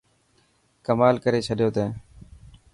ڪمال ڪري ڇڏيو تين.